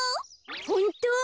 ホント？